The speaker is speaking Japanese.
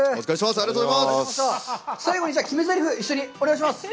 最後に決めぜりふ、一緒にお願いします。